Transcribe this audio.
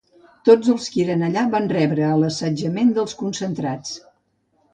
Tots els qui eren allà van rebre l’assetjament dels concentrats.